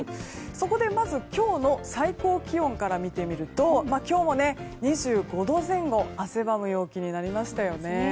そこでまず今日の最高気温から見てみると今日も２５度前後汗ばむ陽気になりましたよね。